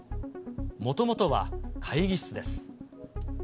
もともとは、会議室です。